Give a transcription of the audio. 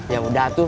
ya udah atu